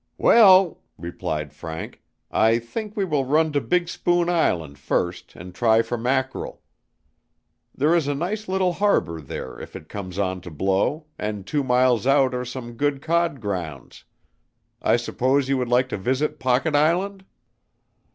"Well," replied Frank, "I think we will run to Big Spoon Island first and try for mackerel. There is a nice little harbor there if it comes on to blow, and two miles out are some good cod grounds. I suppose you would like to visit Pocket Island?"